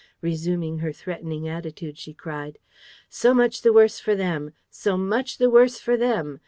Resuming her threatening attitude, she cried: "So much the worse for them! So much the worse for them!